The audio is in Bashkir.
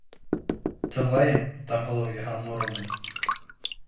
Тыңлайым, Таңһылыу Йыһаннуровна!